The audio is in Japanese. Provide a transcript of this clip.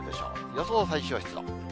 予想最小湿度。